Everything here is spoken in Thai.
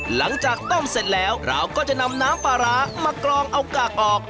หลังจากต้มเสร็จแล้วเราก็จะนำน้ำปลาร้ามากรองเอากากออก